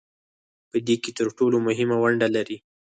په دې کې تر ټولو مهمه ونډه لري